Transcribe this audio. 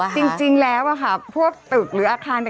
จริงแล้วค่ะพวกตึกหรืออาคาร